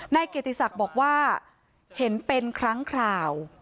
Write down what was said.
นายเกียรติศักดิ์บอกว่าเห็นเป็นครั้งคราว